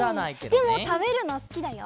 でもたべるのすきだよ。